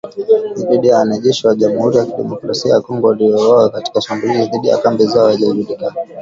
Idadi ya wanajeshi wa Jamuhuri ya Kidemokrasia ya Kongo waliouawa katika shambulizi dhidi ya kambi zao haijajulikana